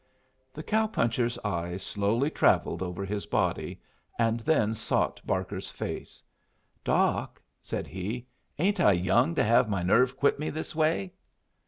The cow puncher's eyes slowly travelled over his body, and then sought Barker's face. "Doc," said he, "ain't I young to have my nerve quit me this way?"